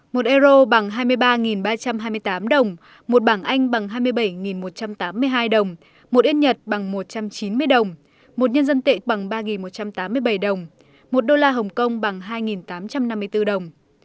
một euro bằng hai mươi ba ba trăm hai mươi tám đồng một bảng anh bằng hai mươi bảy một trăm tám mươi hai đồng một yên nhật bằng một trăm chín mươi đồng một nhân dân tệ bằng ba một trăm tám mươi bảy đồng một đô la hồng kông bằng hai tám trăm năm mươi bốn đồng